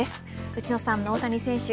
内野さん、大谷選手